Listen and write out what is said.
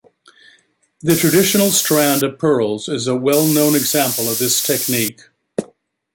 The traditional strand of pearls is a well-known example of this technique.